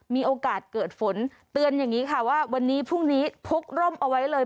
มีโอกาสเกิดฝนเตือนอย่างนี้ค่ะว่าวันนี้พรุ่งนี้พกร่มเอาไว้เลย